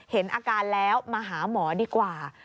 เห็นอาการแล้วมาหาหมอดีกว่า